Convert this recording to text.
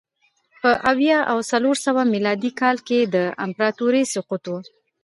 په اویا او څلور سوه میلادي کال کې د امپراتورۍ سقوط و